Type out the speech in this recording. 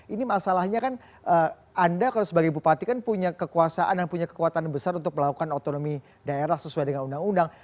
ini masalahnya kan anda kalau sebagai bupati kan punya kekuasaan dan punya kekuatan besar untuk melakukan otonomi daerah sesuai dengan undang undang